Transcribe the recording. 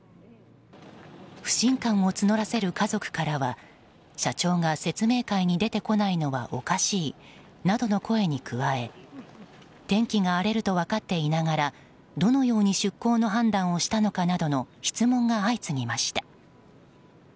不信感を募らせる家族からは社長が説明会に出てこないのはおかしいなどの声に加え天気が荒れると分かっていながらどのように出航の判断をしたのかなどの質問が相次ぎました。